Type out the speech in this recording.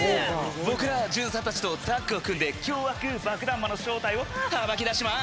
僕らは巡査たちとタッグを組んで、凶悪爆弾魔の正体を暴きます。